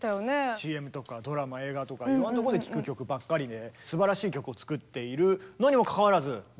ＣＭとかドラマ映画とかいろんなとこで聴く曲ばっかりですばらしい曲を作っているのにもかかわらずご覧のとおり。